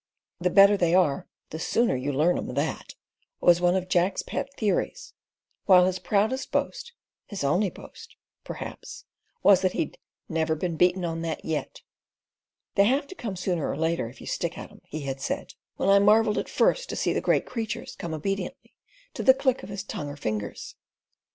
"The better they are the sooner you learn 'em that," was one of Jack's pet theories, while his proudest boast—his only boast—perhaps was that he'd "never been beaten on that yet." "They have to come sooner or later if you stick at 'em," he had said, when I marvelled at first to see the great creatures come obediently to the click of his tongue or fingers.